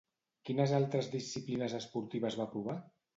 Quines altres disciplines esportives va provar?